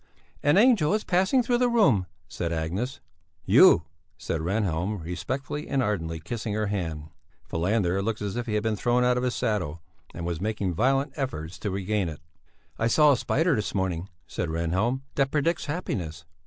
"An angel is passing through the room," said Agnes. "You!" said Rehnhjelm, respectfully and ardently kissing her hand. Falander looked as if he had been thrown out of his saddle, and was making violent efforts to regain it. "I saw a spider this morning," said Rehnhjelm, "that predicts happiness."